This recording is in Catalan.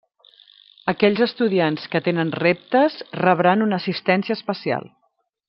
Aquells estudiants que tenen reptes rebran una assistència especial.